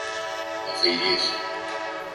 Θα φύγεις;